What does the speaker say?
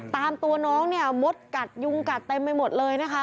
ตามตัวน้องเนี่ยมดกัดยุงกัดเต็มไปหมดเลยนะคะ